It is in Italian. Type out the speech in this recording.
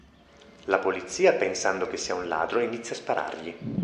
La polizia, pensando che sia un ladro, inizia a sparargli.